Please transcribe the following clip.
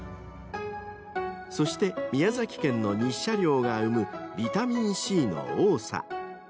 ［そして宮崎県の日射量が生むビタミンＣの多さ］